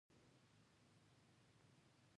د یوکالیپټوس غوړي د څه لپاره وکاروم؟